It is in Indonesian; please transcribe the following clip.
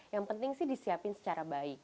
yang penting sih disiapin secara baik